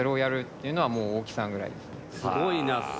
すごいな。